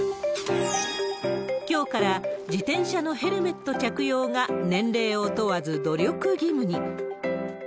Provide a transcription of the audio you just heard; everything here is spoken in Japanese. きょうから自転車のヘルメット着用が、年齢を問わず努力義務に。